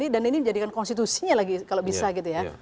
dan ini menjadikan konstitusinya lagi kalau bisa gitu ya